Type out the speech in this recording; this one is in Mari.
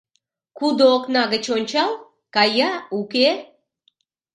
— Кудо окна гыч ончал, кая — уке.